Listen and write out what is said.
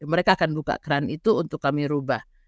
mereka akan buka keran itu untuk kami rubah